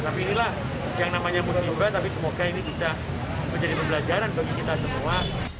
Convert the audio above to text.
tapi inilah yang namanya murnimba tapi semoga ini bisa menjadi pembelajaran bagi kita semua